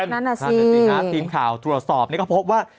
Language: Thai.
นั่นแหละสิฮะทีมข่าวตรวจสอบนี่ก็พบว่า